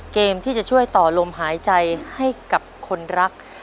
เกมที่จะช่วยต่อลมหายใจให้กับคนรัก